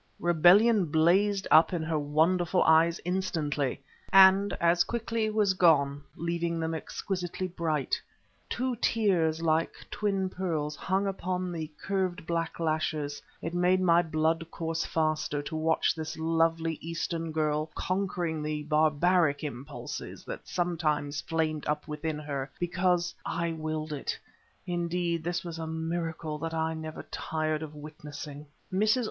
Rebellion blazed up in her wonderful eyes instantly and as quickly was gone, leaving them exquisitely bright. Two tears, like twin pearls, hung upon the curved black lashes. It made my blood course faster to watch this lovely Eastern girl conquering the barbaric impulses that sometimes flamed up within, her, because I willed it; indeed this was a miracle that I never tired of witnessing. Mrs.